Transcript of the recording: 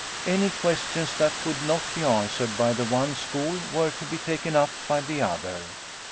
Any questions that could not be answered by the one school were to be taken up by the other.